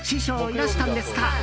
いらしたんですか」。